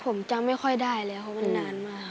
ผมจำไม่ค่อยได้แล้วเพราะมันนานมาก